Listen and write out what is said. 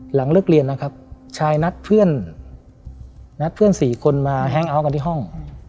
หลังเลิกเรียนนะครับชายนัดเพื่อนนัดเพื่อน๔คนมาแฮงเอาท์กันที่ห้อง